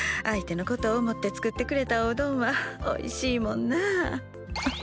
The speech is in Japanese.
相手のことを思って作ってくれたおうどんはおいしいもんなあ。